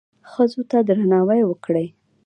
ښځو ته درناوی وکړئ